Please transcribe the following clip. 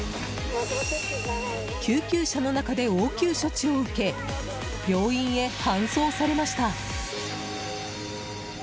救急車の中で応急処置を受け病院へ搬送されました。